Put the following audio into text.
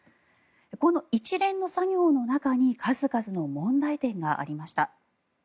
この一連の作業の中に数々の問題点がありました。